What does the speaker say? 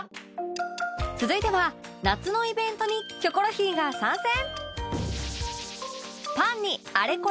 続いては夏のイベントに『キョコロヒー』が参戦